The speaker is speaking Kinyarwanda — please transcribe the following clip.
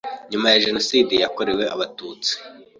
Nyuma ya Jenoside yakorewe Abatutsi